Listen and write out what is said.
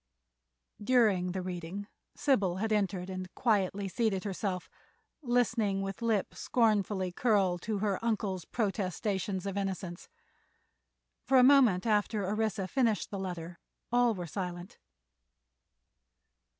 During the reading Sybil had entered and quietly seated herself, listening with lip scornfully curled to her uncle's protestations of innocence. For a moment after Orissa finished the letter all were silent.